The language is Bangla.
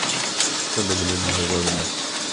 সুধাকান্তবাবু বললেন, ভয় পাবেন না।